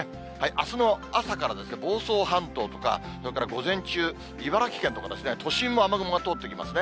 あすの朝から房総半島とか、それから午前中、茨城県とかですね、都心も雨雲が通っていきますね。